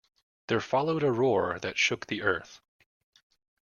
There followed a roar that shook the earth.